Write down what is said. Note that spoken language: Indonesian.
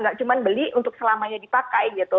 nggak cuma beli untuk selamanya dipakai gitu